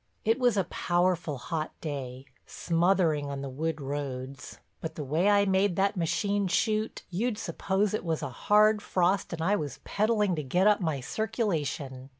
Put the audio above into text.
It was a powerful hot day, smothering on the wood roads, but the way I made that machine shoot you'd suppose it was a hard frost and I was peddling to get up my circulation.